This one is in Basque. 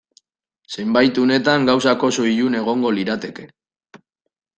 Zenbait unetan gauzak oso ilun egongo lirateke.